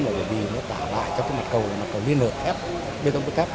bởi vì nó tạo lại cho mặt cầu liên hợp thép bê tông bước thép